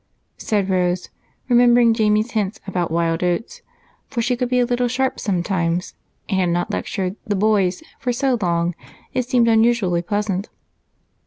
said Rose, remembering Jamie's hints about wild oats, for she could be a little sharp sometimes and had not lectured "the boys" for so long it seemed unusually pleasant.